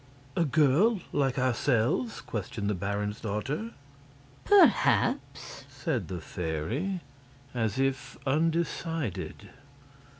"A girl, like ourselves?" questioned the baron's daughter. "Perhaps," said the fairy, as if undecided.